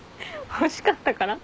欲しかったから？